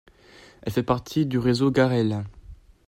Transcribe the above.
Elle fait partie du Réseau Garel.